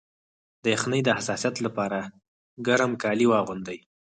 د یخنۍ د حساسیت لپاره ګرم کالي واغوندئ